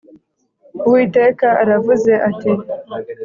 “Uwiteka aravuze ati